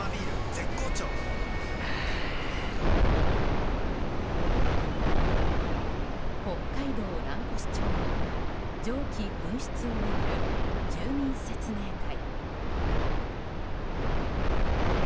絶好調あぁ北海道蘭越町の蒸気噴出を巡る住民説明会。